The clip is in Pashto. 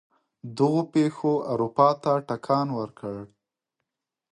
دغو پېښو اروپا ته ټکان ورکړ.